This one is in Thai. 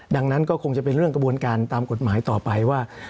ดังนั้นก็คงจะเป็นเรื่องกระบวนการตามกฎหมายต่อไปว่า